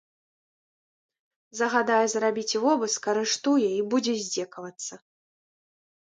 Загадае зрабіць вобыск, арыштуе і будзе здзекавацца.